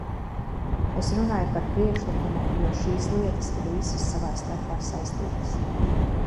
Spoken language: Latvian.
Es runāju par priekšlikumu, jo šīs lietas ir visas savā starpā saistītas.